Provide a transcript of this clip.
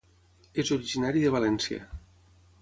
És originari de València.